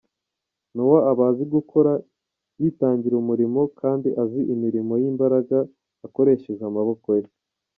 Noah aba azi gukora, yitangira umurimo, kandi azi imirimo y’imbaraga akoresheje amaboko ye.